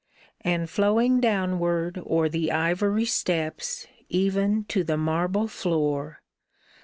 And flowing downward o'er The ivory steps even to the marble floor.